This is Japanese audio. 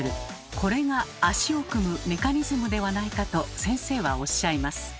これが足を組むメカニズムではないかと先生はおっしゃいます。